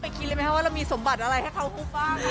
คิดเลยไหมคะว่าเรามีสมบัติอะไรให้เขาฮุบบ้างคะ